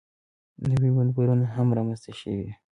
نوي منبرونه هم رامنځته شوي دي.